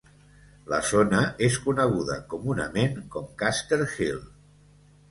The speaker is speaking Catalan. La zona és coneguda comunament com "Custer Hill".